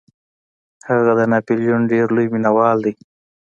هغه د ناپلیون ډیر لوی مینوال دی.